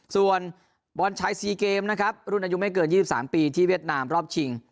ส่วนบอลชาย๔เกมนะครับรุ่นอายุไม่เกิน๒๓ปีที่เวียดนามรอบชิง